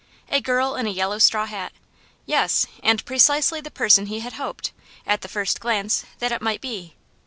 A girl in a yellow straw hat; yes, and precisely the person he had hoped, at the first glance, that it might be.